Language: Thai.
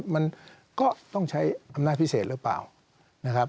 มันก็ต้องใช้อำนาจพิเศษหรือเปล่านะครับ